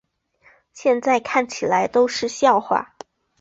现在看起来都是笑话